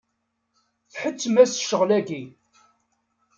Tḥettem-as ccɣel-agi.